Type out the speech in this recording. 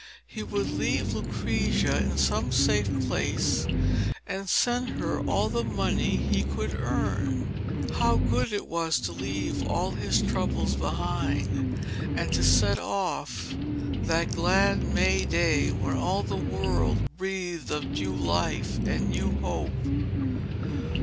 He would leave Lucrezia in some safe place and send her all the money he could earn. How good it was to leave all his troubles behind, and to set off that glad May day when all the world breathed of new life and new hope.